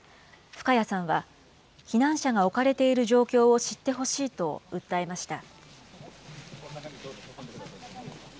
深谷さんは、避難者が置かれている状況を知ってほしいと訴えました。